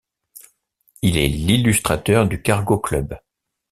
Il est l'illustrateur du Cargo Club.